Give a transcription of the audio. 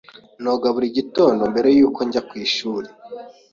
Noga buri gitondo mbere yuko njya ku ishuri.